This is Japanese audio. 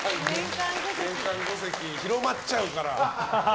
年間５席広まっちゃうから。